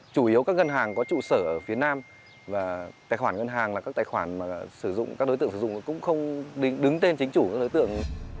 chủ yếu các ngân hàng có trụ sở ở phía nam và tài khoản ngân hàng là các tài khoản mà sử dụng các đối tượng sử dụng cũng không đứng tên chính chủ các đối tượng